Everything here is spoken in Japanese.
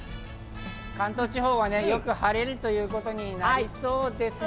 関東地方はよく晴れるということになりそうですね。